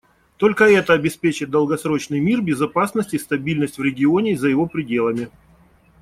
Только это обеспечит долгосрочный мир, безопасность и стабильность в регионе и за его пределами.